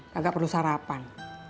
kagak perlu sarapan